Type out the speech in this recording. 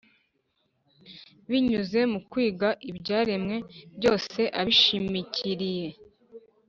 binyuze mu kwiga ibyaremwe byose abishimikiriye,